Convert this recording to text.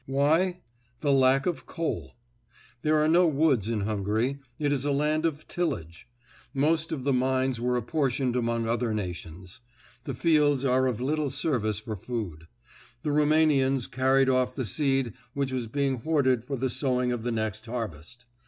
Why? The lack of coal. There are no woods in Hungary; it is a land of tillage. Most of the mines were apportioned among other nations. The fields are of little service for food; the Roumanians carried off the seed which was being hoarded for the sowing of the next harvest.